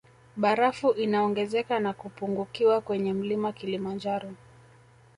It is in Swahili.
Barafu inaongezeka na kupungukiwa kwenye mlima kilimanjaro